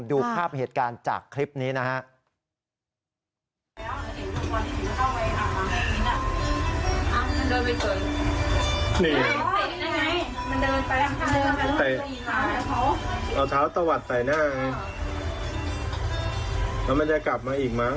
ดูภาพเหตุการณ์จากคลิปนี้นะฮะ